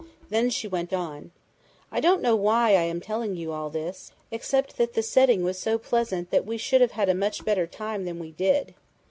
Then she went on: "I don't know why I am telling you all this, except that the setting was so pleasant that we should have had a much better time than we did."